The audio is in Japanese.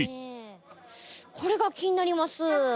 これが気になります。